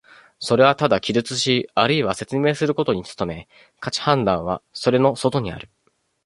それはただ記述しあるいは説明することに努め、価値判断はそれの外にある。